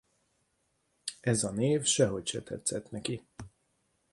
Ez a név sehogy se tetszett neki.